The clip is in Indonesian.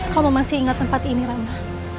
kau masih ingat tempat ini ramna